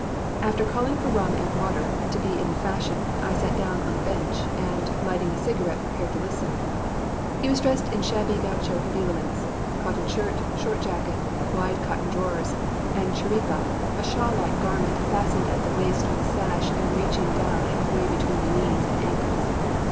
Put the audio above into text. After calling for rum and water, to be in the fashion, I sat down on a bench, and, lighting a cigarette, prepared to listen. He was dressed in shabby gaucho habiliments cotton shirt, short jacket, wide cotton drawers, and chiripa, a shawl like garment fastened at the waist with a sash, and reaching down half way between the knees and ankles.